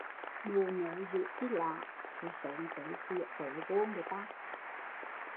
Mụ nớ dữ chi lạ, cứ xớn tới xỉa xói vô người ta